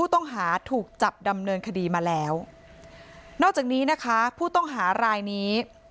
ต้องหาถูกจับดำเนินคดีมาแล้วนอกจากนี้นะคะผู้ต้องหารายนี้